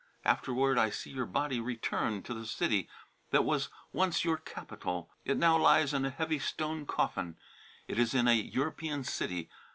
Afterward I see your body returned to the city that was once your capital. It now lies in a heavy stone coffin. It is in a European city.